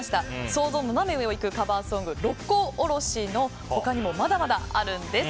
想像のナナメ上をいくカバーソング「六甲おろし」の他にもまだまだあるんです。